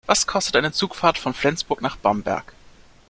Was kostet eine Zugfahrt von Flensburg nach Bamberg?